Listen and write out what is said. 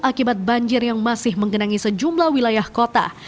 akibat banjir yang masih menggenangi sejumlah wilayah kota